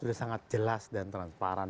sudah sangat jelas dan transparan